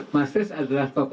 masih bisa mampu las bacterium